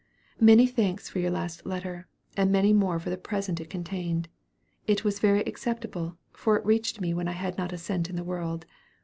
Many thanks for your last letter, and many more for the present it contained. It was very acceptable, for it reached me when I had not a cent in the world.